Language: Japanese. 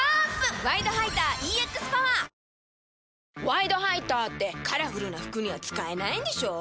「ワイドハイター」ってカラフルな服には使えないんでしょ？